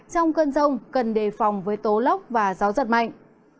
trong cơn rông cần đề phòng với tố lốc và gió giật mạnh